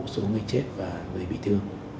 số người chết và người bị thương